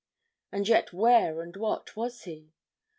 And yet where and what was he?